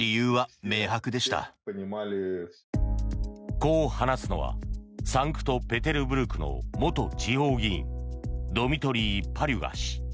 こう話すのはサンクトペテルブルクの元地方議員ドミトリー・パリュガ氏。